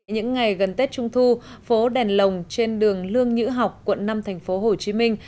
những ngày gần tết trung thu phố đèn lồng trên đường lương nhữ học quận năm thành phố hồ chí minh